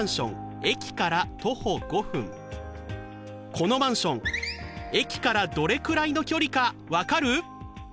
このマンション駅からどれくらいの距離か分かる？